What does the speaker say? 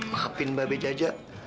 maafin mbak b jajak